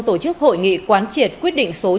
tổ chức hội nghị quán triệt quyết định số chín mươi